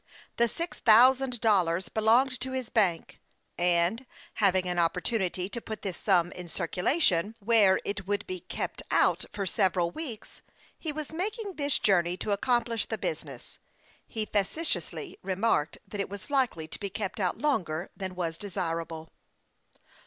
The six thou sand dollars belonged to his bank, and, having an opportunity to put this sum in circulation, where it would be "kept oxit" for several weeks, he was making this journey to accomplish the business. He facetiously remarked that it was likely to be kept out longer than was desirable.